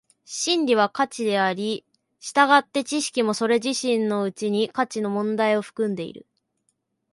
真理は価値であり、従って知識もそれ自身のうちに価値の問題を含んでいる。